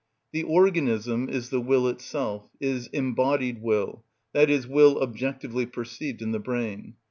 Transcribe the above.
The organism is the will itself, is embodied will, i.e., will objectively perceived in the brain.